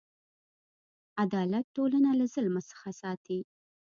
عدالت ټولنه له ظلم څخه ساتي.